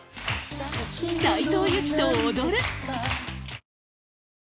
斉藤由貴と踊る！